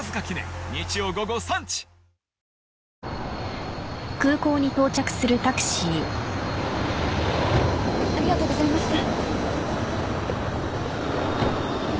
「氷結」ありがとうございました。